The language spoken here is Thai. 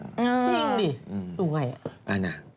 จริงดิดูไง